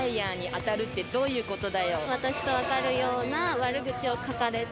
私と分かるような悪口を書かれて。